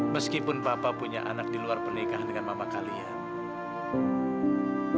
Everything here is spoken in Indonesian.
meskipun bapak punya anak di luar pernikahan dengan mama kalian